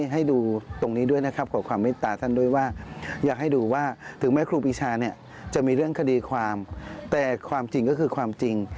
ให้ดูตรงนี้ด้วยนะครับขอความเมตตาท่านด้วยว่าอยากให้ดูว่าถึงแม้ครูปีชาเนี่ยจะมีเรื่องคดีความแต่ความจริงก็คือความจริง